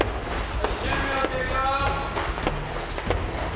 ・はい１０秒経過